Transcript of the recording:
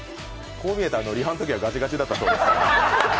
こう見えてリハのときはガチガチだったそうです。